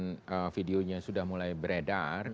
kemudian videonya sudah mulai beredar